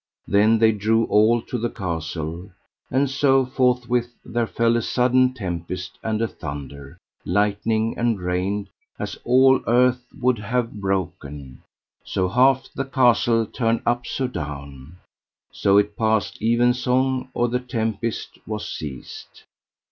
Then they drew all to the castle, and so forthwith there fell a sudden tempest and a thunder, lightning, and rain, as all the earth would have broken. So half the castle turned up so down. So it passed evensong or the tempest was ceased.